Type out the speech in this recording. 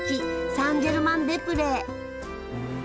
サンジェルマン・デ・プレ。